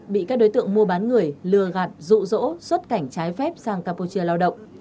bị các đối tượng mua bán người lừa gạt rụ rỗ xuất cảnh trái phép sang campuchia lao động